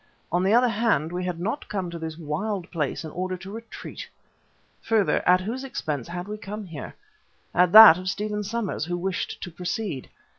On the other hand, we had not come to this wild place in order to retreat. Further, at whose expense had we come here? At that of Stephen Somers who wished to proceed.